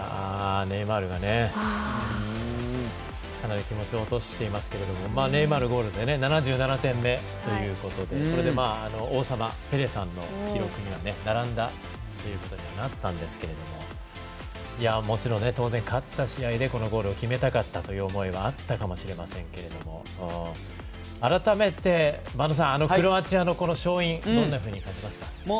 ネイマールが、かなり気持ちを落としていますけどネイマールのゴールで７７点目ということでこれで王様、ペレさんの記録には並んだということにはなったんですけれどももちろん当然、勝った試合でこのゴールを決めたかったという思いはあったかもしれませんけれども改めて、播戸さんクロアチアの勝因どんなふうに感じますか？